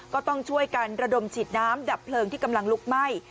ก็ต้องช่วยกันระดมฉีดน้ำดับเพลิงที่กำลังลุกไหม้